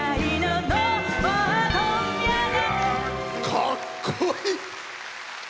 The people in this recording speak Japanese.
かっこいい！